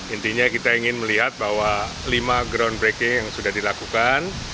intinya kita ingin melihat bahwa lima groundbreaking yang sudah dilakukan